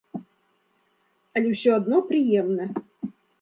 Але ўсё адно прыемна!